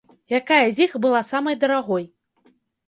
Якая з іх была самай дарагой?